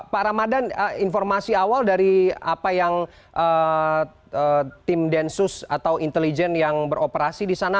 pak ramadan informasi awal dari apa yang tim densus atau intelijen yang beroperasi di sana